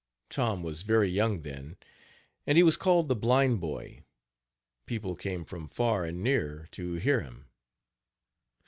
Tom was very young then, and he was called the Blind Boy. People came from far and near to hear him.